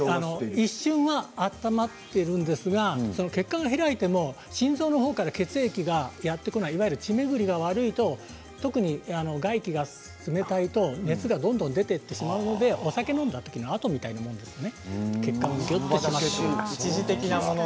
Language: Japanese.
一瞬は温まっているんですが血管が開いても心臓のほうから血液がやって来ない、いわゆる血巡りが悪いと特に、外気が冷たいと熱がどんどん出ていってしまうのでお酒を飲んだ時のあとみたいなものですね。